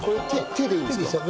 手でいいですよ。